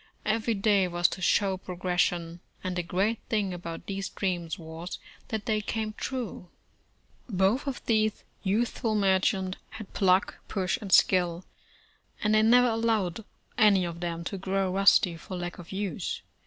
Every day was to show progression, and the great thing about these dreams was, that they came true. Both of these youthful merchants had pluck, push and skill, and they never allowed any of them to grow rusty for lack of use.